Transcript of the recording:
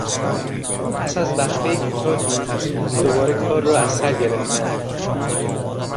پس از وقفهی کوتاهی دوباره کار را از سر گرفتند.